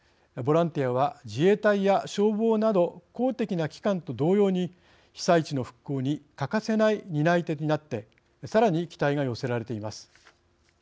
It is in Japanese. ボランティアは自衛隊や消防など公的な機関と同様に被災地の復興に欠かせない担い手になってさらに期待が寄せられています。